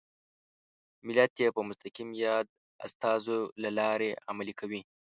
ملت یې په مستقیم یا د استازو له لارې عملي کوي.